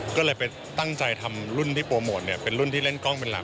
ก็เลยไปตั้งใจทำรุ่นที่โปรโมทเนี่ยเป็นรุ่นที่เล่นกล้องเป็นหลัก